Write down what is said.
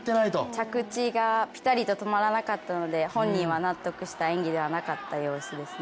着地がピタリと止まらなかったので本人は納得した演技ではなかった様子ですね。